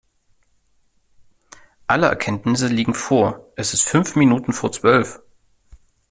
Alle Erkenntnisse liegen vor – es ist fünf Minuten vor zwölf!